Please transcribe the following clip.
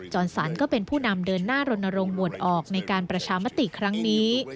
อนสันก็เป็นผู้นำเดินหน้ารณรงควดออกในการประชามติครั้งนี้